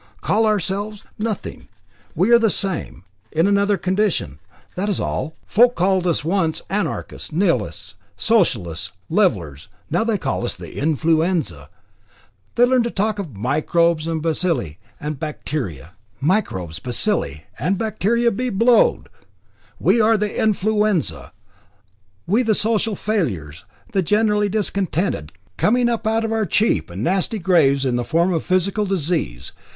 "Call ourselves? Nothing; we are the same, in another condition, that is all. Folk called us once Anarchists, Nihilists, Socialists, Levellers, now they call us the Influenza. The learned talk of microbes, and bacilli, and bacteria. Microbes, bacilli, and bacteria be blowed! We are the Influenza; we the social failures, the generally discontented, coming up out of our cheap and nasty graves in the form of physical disease.